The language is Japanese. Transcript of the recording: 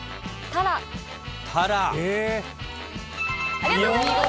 ありがとうございます。